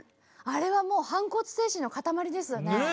あれはもう反骨精神の塊ですよね。